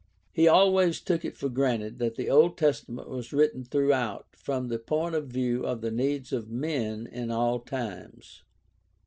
He always took it for granted that the Old Testa ment was written throughout from the point of view of the needs of men in all times.